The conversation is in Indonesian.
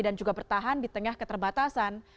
dan juga bertahan di tengah keterbatasan